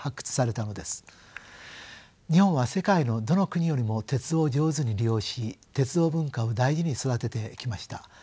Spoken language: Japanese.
日本は世界のどの国よりも鉄道を上手に利用し鉄道文化を大事に育ててきました。